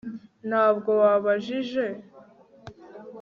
ntabwo babajije